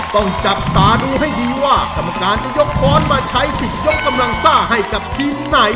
ต้องจับตาดูให้ดีว่ากรรมการจะยกค้อนมาใช้สิทธิ์ยกกำลังซ่าให้กับทีมไหน